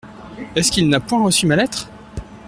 Est-ce qu’il n’a point reçu ma lettre ?